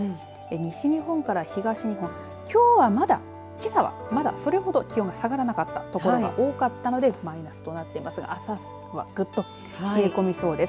西日本から東日本きょうはまだ、けさはまだそれほど気温が下がらなかった所が多かったのでマイナスとなっていますがあす朝は、ぐっと冷え込みそうです。